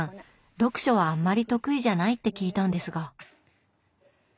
読書はあんまり得意じゃないって聞いたんですが。